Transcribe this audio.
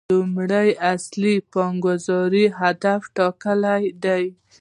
لومړی اصل د پلانګذارۍ اهداف ټاکل دي.